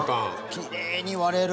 きれいに割れる。